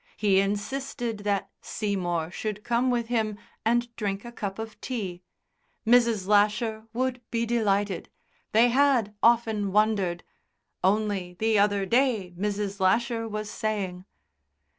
He insisted that Seymour should come with him and drink a cup of tea. Mrs. Lasher would be delighted. They had often wondered.... Only the other day Mrs. Lasher was saying....